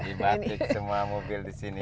dibatik semua mobil disini